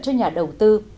cho nhà đầu tư